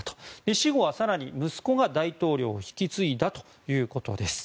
死後は、更に息子が大統領を引き継いだということです。